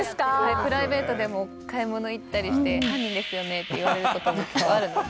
プライベートでも買い物行ったりして、犯人ですよね？って言われることもいっぱいあるので。